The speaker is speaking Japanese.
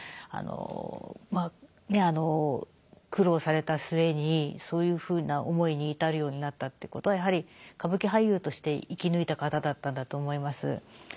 あのまあ苦労された末にそういうふうな思いに至るようになったっていうことはやはり歌舞伎俳優として生き抜いた方だったんだと思います。